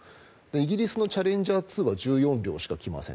イギリスのチャレンジャー２は１４両しか来ません。